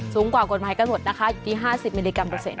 สูงกว่ากฎหมายกำหนดนะคะอยู่ที่๕๐มิลลิกรัมเปอร์เซ็นต